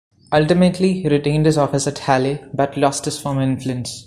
Ultimately, he retained his office at Halle, but lost his former influence.